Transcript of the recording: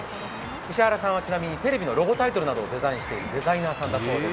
石原さんはちなみにテレビのロゴタイトルなどをデザインしているデザイナーさんです。